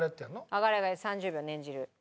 上がれ上がれ３０秒念じる。